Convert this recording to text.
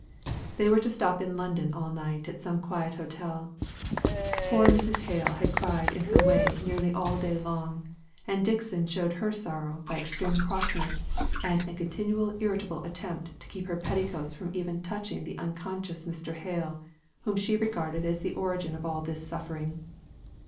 They were to stop in London all night at some quiet hotel. Poor Mrs. Hale had cried in her way nearly all day long; and Dixon showed her sorrow by extreme crossness, and a continual irritable attempt to keep her petticoats from even touching the unconscious Mr. Hale, whom she regarded as the origin of all this suffering.